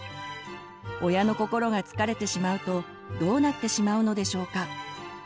親の心が疲れてしまうとどうなってしまうのでしょうか。